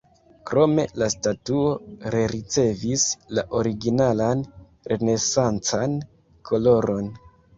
Krome la statuo rericevis la originalan renesancan koloron.